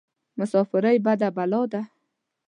مساپرى بده بلا ده.